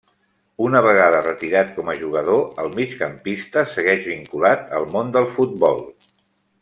Una vegada retirat com a jugador, el migcampista segueix vinculat al món del futbol.